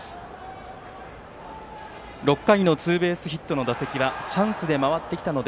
６回のツーベースヒットの打席はチャンスで回ってきたので